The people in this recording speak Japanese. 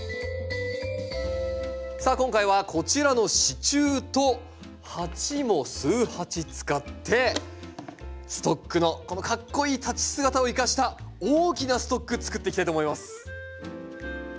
さあ今回はこちらの支柱と鉢も数鉢使ってストックのこのかっこいい立ち姿を生かした大きなストックつくっていきたいと思います。